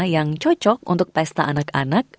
yang cocok untuk pesta anak anak